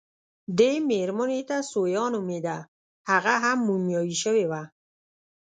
دې مېرمنې ته ثویا نومېده، هغه هم مومیايي شوې وه.